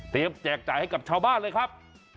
แจกจ่ายให้กับชาวบ้านเลยครับ